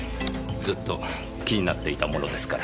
ずっと気になっていたものですから。